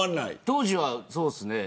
当時はそうですね。